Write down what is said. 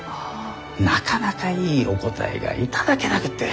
なかなかいいお答えが頂けなくって。